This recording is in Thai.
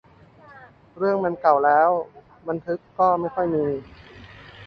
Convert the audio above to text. เรื่องมันเก่าแล้ว บันทึกก็ไม่ค่อยมี